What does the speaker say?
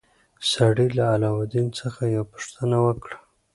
سړي له علاوالدین څخه یوه پوښتنه وکړه.